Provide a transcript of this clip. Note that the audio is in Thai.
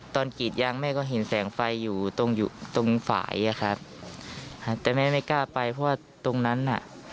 กรีดยางแม่ก็เห็นแสงไฟอยู่ตรงอยู่ตรงฝ่ายอะครับแต่แม่ไม่กล้าไปเพราะว่าตรงนั้นน่ะ